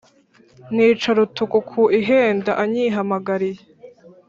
Nica Rutuku ku Ihenda anyihamagariye.